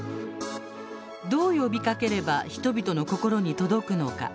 どう呼びかければ人々の心に届くのか。